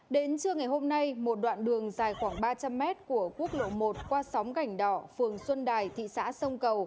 đến trưa ngày hôm nay một đoạn đường dài khoảng ba trăm linh mét của quốc lộ một qua sóng gảnh đỏ phường xuân đài thị xã sông cầu